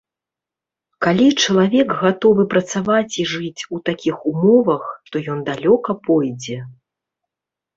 Калі чалавек гатовы працаваць і жыць у такіх умовах, то ён далёка пойдзе.